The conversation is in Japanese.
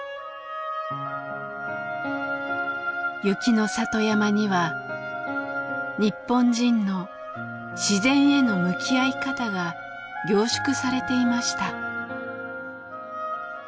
雪の里山には日本人の自然への向き合い方が凝縮されていました。